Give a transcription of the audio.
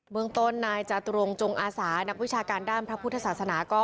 เมืองต้นนายจตุรงจงอาสานักวิชาการด้านพระพุทธศาสนาก็